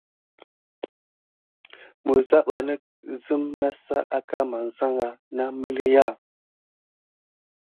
Mizabanih zime nasam aka masaha na məlinya an.